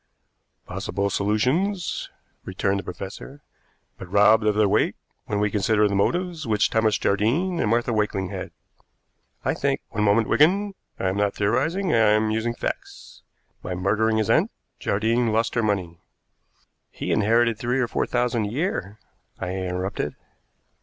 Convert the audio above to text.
"Possible solutions," returned the professor, "but robbed of their weight when we consider the motives which Thomas Jardine and Martha Wakeling had." "I think " "One moment, Wigan; I am not theorizing, I am using facts. By murdering his aunt, Jardine lost her money " "He inherited three or four thousand a year," I interrupted.